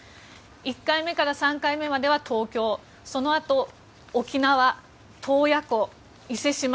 １回目から３回目までは東京そのあと沖縄、洞爺湖、伊勢志摩